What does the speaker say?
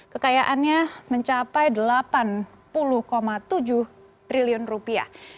kekayaannya mencapai delapan puluh tujuh triliun rupiah